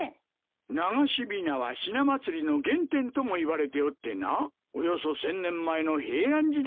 流しびなはひな祭りの原点ともいわれておってなおよそ１，０００年前の平安時代に始まったものらしい。